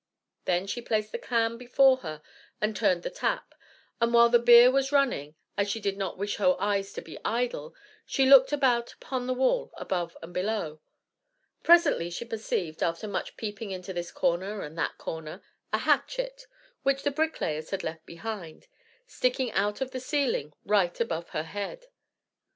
Then she placed the can before her and turned the tap, and while the beer was running, as she did not wish her eyes to be idle, she looked about upon the wall above and below. Presently she perceived, after much peeping into this corner and that corner, a hatchet, which the bricklayers had left behind, sticking out of the ceiling right above her head.